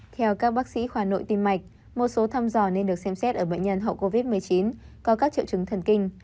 theo các bác sĩ khoa nội tim mạch một số thăm dò nên được xem xét ở bệnh nhân hậu covid một mươi chín có các triệu chứng thần kinh